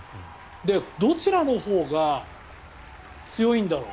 どちらのほうが強いんだろう。